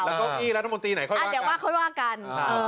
แล้วก็อีรัฐบุรตีไหนเข้าให้ว่ากัน